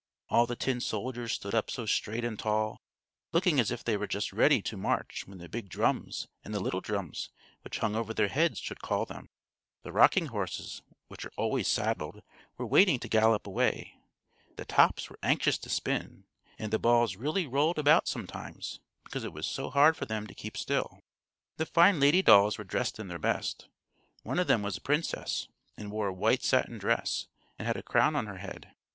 All the tin soldiers stood up so straight and tall, looking as if they were just ready to march when the big drums and the little drums, which hung over their heads, should call them. The rocking horses, which are always saddled, were waiting to gallop away. The tops were anxious to spin, and the balls really rolled about sometimes, because it was so hard for them to keep still. The fine lady dolls were dressed in their best. One of them was a princess, and wore a white satin dress, and had a crown on her head.